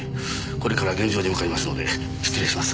これから現場に向かいますので失礼します。